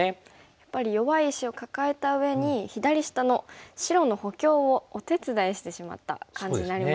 やっぱり弱い石を抱えたうえに左下の白の補強をお手伝いしてしまった感じになりましたね。